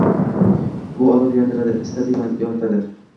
Bu olov yondiradi, isitadi, yoritadi.